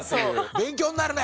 勉強になるね。